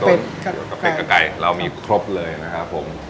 กับเป็ดกับไก่เรามีครบเลยนะครับผม